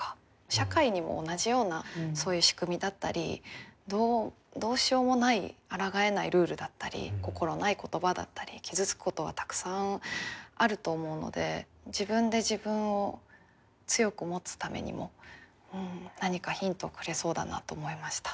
社会にも同じようなそういう仕組みだったりどうしようもないあらがえないルールだったり心ない言葉だったり傷つくことはたくさんあると思うので自分で自分を強く持つためにも何かヒントをくれそうだなと思いました。